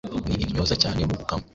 Ni intyoza cyane mu gukama;